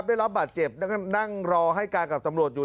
ได้รับบาดเจ็บนั่งรอให้การกับตำรวจอยู่